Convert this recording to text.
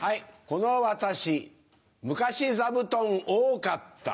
この私昔座布団多かった。